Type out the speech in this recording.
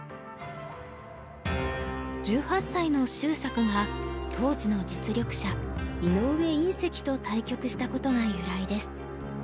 １８歳の秀策が当時の実力者井上因碩と対局したことが由来です。